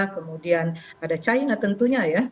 kemudian ada china tentunya ya